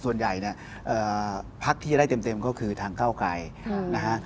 ส่วนใหญ่เนี่ยพักที่จะได้เต็มก็คือทางก้าวไกรนะฮะ